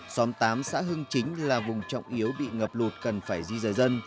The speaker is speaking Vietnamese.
xóm tám xã hưng chính là vùng trọng yếu bị ngập lụt cần phải di rời dân